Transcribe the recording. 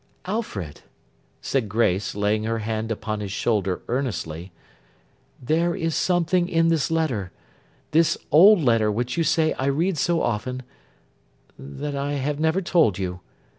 'Alfred!' said Grace, laying her hand upon his shoulder earnestly, 'there is something in this letter—this old letter, which you say I read so often—that I have never told you.